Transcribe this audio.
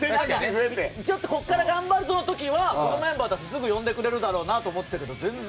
ちょっとここから頑張るぞの時はこのメンバーたちすぐ呼んでくれるだろうなと思ったけど全然。